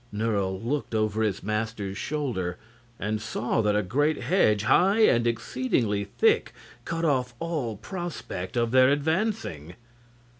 Nerle looked over his master's shoulder and saw that a great hedge, high and exceedingly thick, cut off all prospect of their advancing.